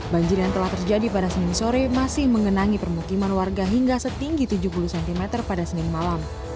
banjir yang telah terjadi pada senin sore masih mengenangi permukiman warga hingga setinggi tujuh puluh cm pada senin malam